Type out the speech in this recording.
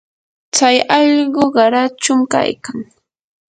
tsay allqu qarachum kaykan.